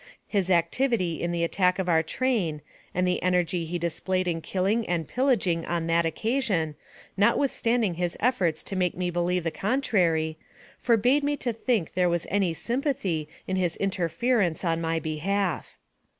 His activity in the attack on our train, and the energy he displayed in killing and pillaging on that occasion, notwithstanding his efforts to make me believe the contrary, forbade me to think there was any sym pathy in his interference in my behalf.